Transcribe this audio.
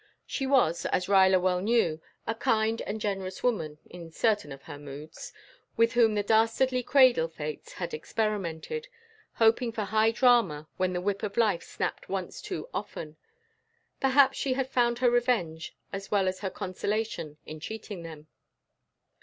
She was, as Ruyler well knew, a kind and generous woman (in certain of her moods), with whom the dastardly cradle fates had experimented, hoping for high drama when the whip of life snapped once too often. Perhaps she had found her revenge as well as her consolation in cheating them.